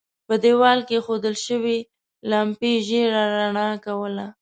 په دېوال کې اېښودل شوې لمپې ژېړه رڼا کوله.